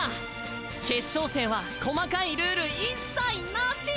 決勝戦は細かいルール一切無し！